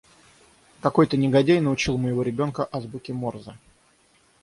Какой-то негодяй научил моего ребёнка азбуке Морзе.